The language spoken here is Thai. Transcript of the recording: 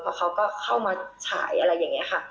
เพราะเขาก็เข้ามาฉายอะไรอย่างนี้ค่ะ